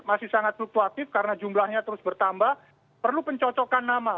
masih sangat fluktuatif karena jumlahnya terus bertambah perlu pencocokan nama